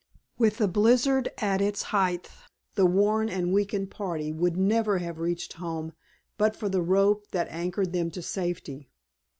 With the blizzard at its height the worn and weakened party would never have reached home but for the rope that anchored them to safety.